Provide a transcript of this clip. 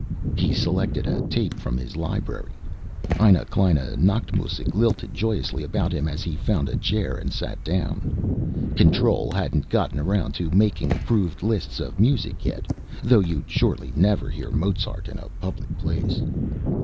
He selected a tape from his library. Eine Kleine Nachtmusik lilted joyously about him as he found a chair and sat down. Control hadn't gotten around to making approved lists of music yet, though you'd surely never hear Mozart in a public place.